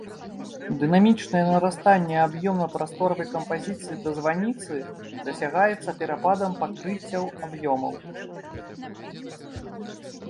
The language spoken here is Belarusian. Дынамічнае нарастанне аб'ёмна-прасторавай кампазіцыі да званіцы дасягаецца перападам пакрыццяў аб'ёмаў.